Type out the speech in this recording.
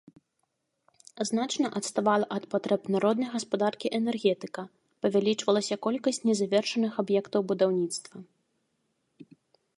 Значна адставала ад патрэб народнай гаспадаркі энергетыка, павялічвалася колькасць незавершаных аб'ектаў будаўніцтва.